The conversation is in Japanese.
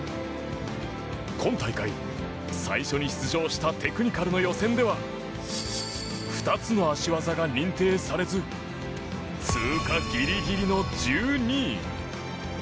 今大会、最初に出場したテクニカルの予選では２つの脚技が認定されず通過ギリギリの１２位。